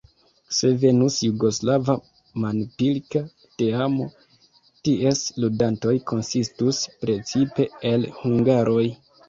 Se venus jugoslava manpilka teamo, ties ludantoj konsistus precipe el hungaroj.